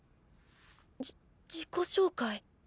じ自己紹介。